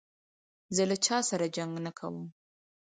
زه له چا سره جنګ نه کوم.